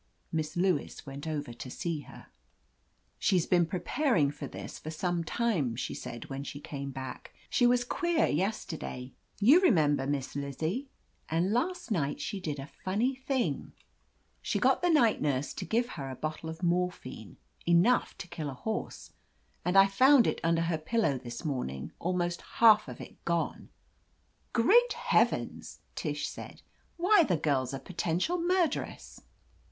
Miss Lewis went over to see her. "She's been preparing for this for some time," she said when she came back. "She was 76 OF LETITIA CARBERRY queer yesterday — ^you remember. Miss Lizzie '—and last night she did a funny thing. She got the night nurse to give her a bottle of mor phine — enough to kill a horse. And I found' it under her pillow this morning, almost half of it gone !" "Great heavens!" Tish said. "Why, the girl's a potential murderess